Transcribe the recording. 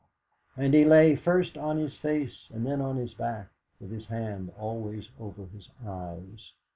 And he lay first on his face, and then on his back, with his hand always over his eyes.